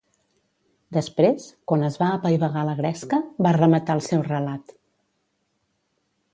Després, quan es va apaivagar la gresca, va rematar el seu relat.